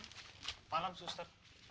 selamat malam suster